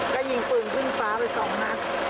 ก็ยิงปืนขึ้นฟ้าไปสองนัด